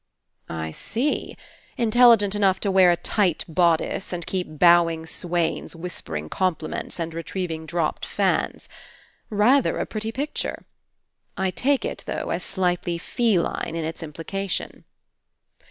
"I see. Intelligent enough to wear a tight bodice and keep bowing swains whisper ing compliments and retrieving dropped fans. Rather a pretty picture. I take it, though, as slightly feline in Its Implication."